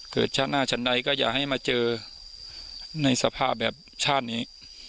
ชาติหน้าชั้นใดก็อย่าให้มาเจอในสภาพแบบชาตินี้